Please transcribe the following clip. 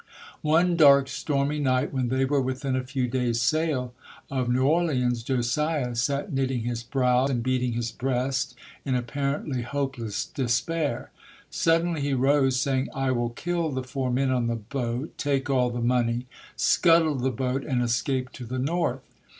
One dark, stormy night, when they were within 200 ] UNSUNG HEROES a few days' sail of New Orleans, Josiah sat knit ting his brow and beating his breast in apparently hopeless despair. Suddenly he rose, saying, "I will kill the four men on the boat, take all the money, scuttle the boat and escape to the North".